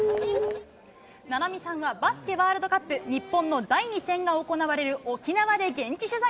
菜波さんはバスケワールドカップ日本の第２戦が行われる沖縄で現地取材。